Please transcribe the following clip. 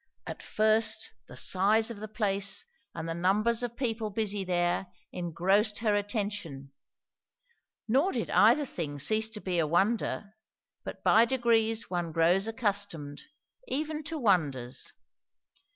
At first the size of the place and the numbers of people busy there engrossed her attention; nor did either thing cease to be a wonder; but by degrees one grows accustomed even to wonders.